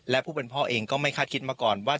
และผู้เป็นพ่อเองก็ไม่คาดคิดมาก่อนว่า